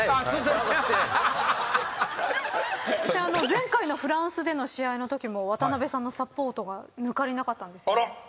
前回のフランスでの試合のときも渡辺さんのサポートが抜かりなかったんですよね？